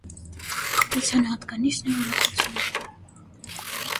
Տխրութեան հականիշն է ուրախութիւնը։